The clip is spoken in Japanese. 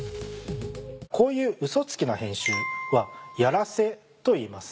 こういうウソつきな編集は「やらせ」といいます。